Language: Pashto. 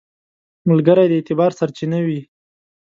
ملګری د اعتبار سرچینه وي